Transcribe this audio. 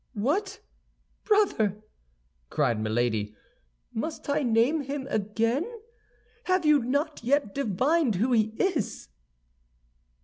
"What, brother!" cried Milady, "must I name him again? Have you not yet divined who he is?"